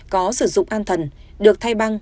có sử dụng an thần được thay băng